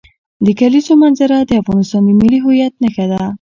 د کلیزو منظره د افغانستان د ملي هویت نښه ده.